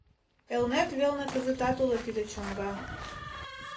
Элнет велне кызытат уло тиде чоҥга.